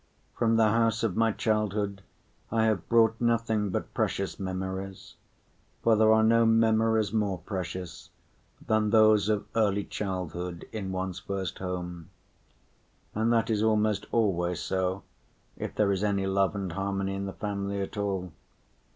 From the house of my childhood I have brought nothing but precious memories, for there are no memories more precious than those of early childhood in one's first home. And that is almost always so if there is any love and harmony in the family at all.